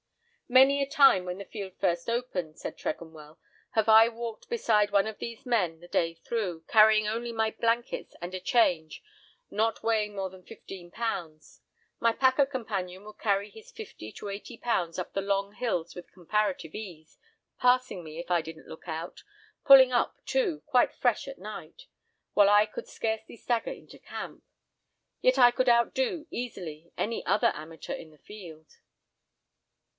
"Many a time, when the field first opened" (said Tregonwell), "have I walked beside one of these men the day through, carrying only my blankets and a change, not weighing more than fifteen pounds; my packer companion would carry his fifty to eighty pounds up the long hills with comparative ease, passing me, if I didn't look out, pulling up, too, quite fresh at night, while I could scarcely stagger into camp; yet I could outdo, easily, any other amateur on the field."